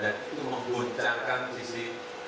dan itu mengguncangkan sisi